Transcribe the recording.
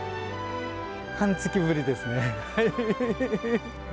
半月ぶりですね。